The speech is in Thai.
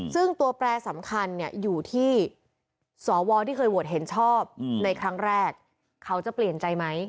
ซึ่งตัวแปรสำคัญเนี่ยอยู่ที่สวที่เคยโหวตเห็นชอบในครั้งแรกเขาจะเปลี่ยนใจไหม